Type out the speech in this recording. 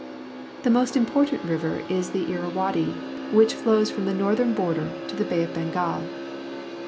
The most important river is the Inunnaddu, which flows from the northern border to the Bay of Bengal.